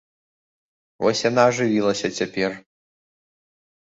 Вось яна ажывілася цяпер.